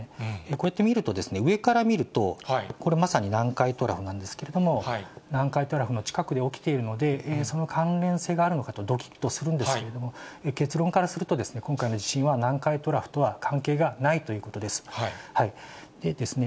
こうやって見ると、上から見ると、これまさに南海トラフなんですけれども、南海トラフの近くで起きているので、その関連性があるのかとどきっとするんですけれども、結論からすると、今回の地震は南海トラフとは関係がないということです。